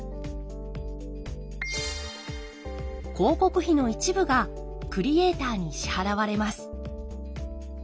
広告費の一部がクリエーターに支払われます。